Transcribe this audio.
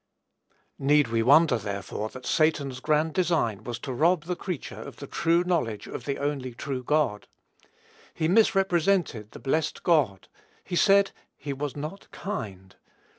Need we wonder, therefore, that Satan's grand design was to rob the creature of the true knowledge of the only true God? He misrepresented the blessed God: he said he was not kind.